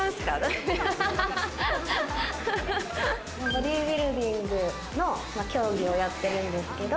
ボディビルディングの競技をやってるんですけど。